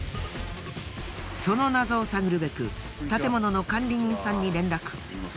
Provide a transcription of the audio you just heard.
その謎を探るべく建物の管理人さんに連絡。